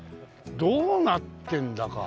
どうなってんだか。